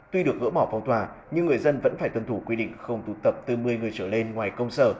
tuy được ngỡ bỏ phòng tòa nhưng người dân vẫn phải tuân thủ quy định không tụ tập bốn mươi người trở lên ngoài công sở